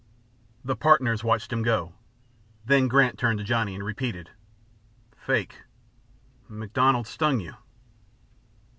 The partners watched him go, then Grant turned to Johnny, and repeated: "Fake! MacDonald stung you."